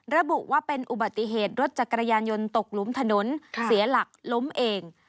ระบุว่าเป็นอุบัติเหตุรถจักรยานยนต์ตกหลุมถนนเสียหลักล้มเอง